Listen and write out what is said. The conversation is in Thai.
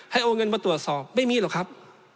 โอนเงินมาตรวจสอบไม่มีหรอกครับ